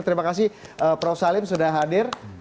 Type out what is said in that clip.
terima kasih prof salim sudah hadir